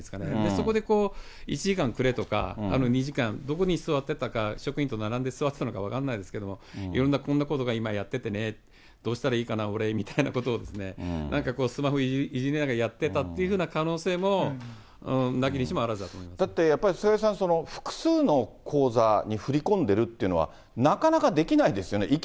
そこでこう、１時間くれとか、２時間どこに座ってたか、職員と並んで座っていたのか分からないですけど、いろんな、こんなことが今やっててね、どうしたらいいかな俺、みたいな、なんかスマホいじりながらやってたっていうふうな可能性も、だってやっぱり菅井さん、複数の口座に振り込んでるっていうのは、なかなかできないですよね。